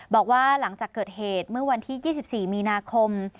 บอกว่าหลังจากเกิดเหตุเมื่อวันที่๒๔มีนาคม